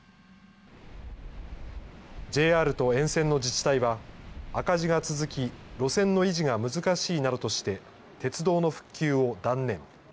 ＪＲと沿線の自治体は、赤字が続き、路線の維持が難しいなどとして、鉄道の復旧を断念。